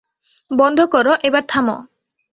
বন্ধ করো, এবার থামো।